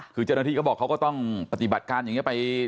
คือเจ้าหน้าที่ก็บอกเขาก็ต้องปฏิบัติการอย่างนี้ไป